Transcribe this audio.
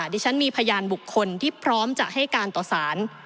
ดิฉันมีพยานบุคคลที่พร้อมจะให้การต่อสาร